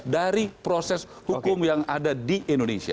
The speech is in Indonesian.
dari proses hukum yang ada di indonesia